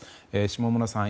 下村さん